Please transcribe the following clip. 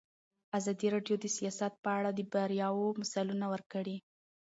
ازادي راډیو د سیاست په اړه د بریاوو مثالونه ورکړي.